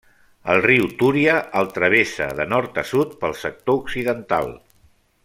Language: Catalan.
El riu Túria el travessa de nord a sud pel sector occidental.